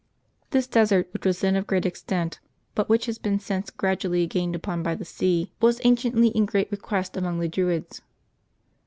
This desert, which was then of great extent, but which has been since gradually gained upon by the sea, was anciently 148 LIVES OF TEE SAINTS [Apbil 16 in great request among the Druids.